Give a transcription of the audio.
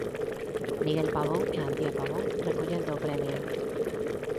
Miguel Pavón e Antía Pavón, recollendo o premio.